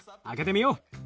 開けてみよう。